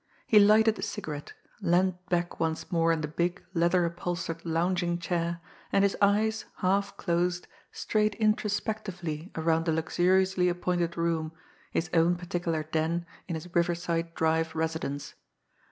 He lighted a cigarette, leaned back once more in the big, leather upholstered lounging chair, and his eyes, half closed, strayed introspectively around the luxuriously appointed room, his own particular den in his Riverside Drive residence.